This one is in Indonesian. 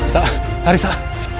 saat hari saat